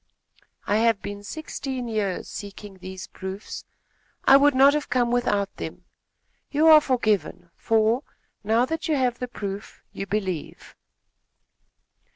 "I have been sixteen years seeking these proofs. I would not have come without them. You are forgiven, for, now that you have the proof, you believe."